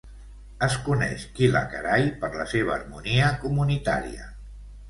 Es coneix Kilakarai per la seva harmonia comunitària.